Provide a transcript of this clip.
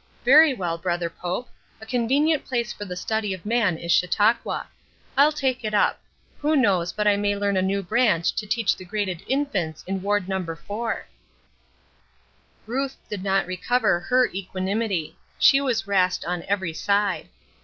Very well, Brother Pope, a convenient place for the study of man is Chautauqua. I'll take it up. Who knows but I may learn a new branch to teach the graded infants in Ward No. 4." Ruth did not recover her equanimity. She was rasped on every side.